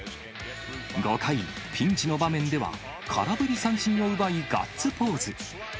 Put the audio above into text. ５回、ピンチの場面では、空振り三振を奪い、ガッツポーズ。